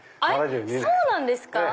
そうなんですか？